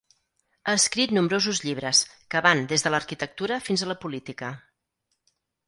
Ha escrit nombrosos llibres, que van des de l'arquitectura fins a la política.